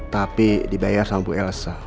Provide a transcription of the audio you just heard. tapi dibayar sama bu elsa